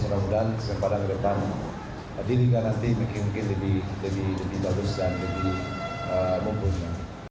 semen padang terdampak diri dia nanti mungkin lebih berurusan lebih berbunyi